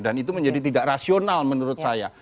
dan itu menjadi tidak rasional menurut saya